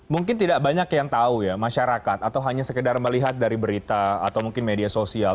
mungkin tidak banyak yang tahu ya masyarakat atau hanya sekedar melihat dari berita atau mungkin media sosial